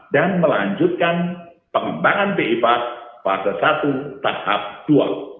dan melanjutkan pengembangan bipas pada satu tahap dual